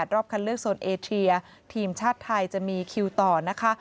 รอบคันเลือกโซนเอเทียทีมชาติไทยจะมีคิวต่อนะคะ